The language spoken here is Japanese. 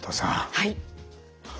はい。